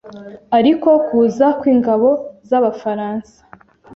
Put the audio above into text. ariko kuza kw’ingabo z’abafaransa